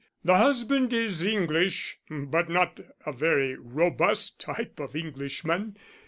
The husband is English, but not a very robust type of Englishman.